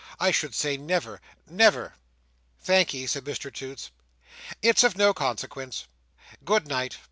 "I should say, never. Never!" "Thank'ee!" said Mr Toots. "It's of no consequence. Good night.